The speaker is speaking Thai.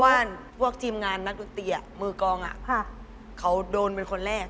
เพราะว่าพวกจีมงานนักศึกเตียมือกองเขาโดนเป็นคนแรก